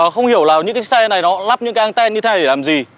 không hiểu là những cái xe này nó lắp những cái anten như thế này để làm gì